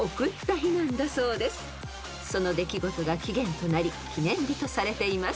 ［その出来事が起源となり記念日とされています］